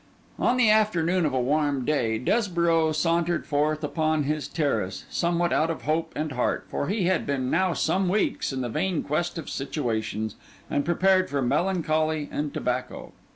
On the afternoon of a warm day, Desborough sauntered forth upon this terrace, somewhat out of hope and heart, for he had been now some weeks on the vain quest of situations, and prepared for melancholy and tobacco.